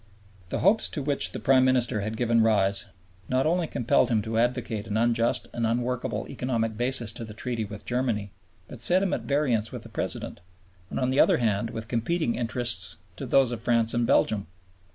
The hopes to which the Prime Minister had given rise not only compelled him to advocate an unjust and unworkable economic basis to the Treaty with Germany, but set him at variance with the President, and on the other hand with competing interests to those of France and Belgium.